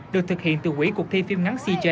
được thực hiện từ quỹ cuộc thi phim ngắn c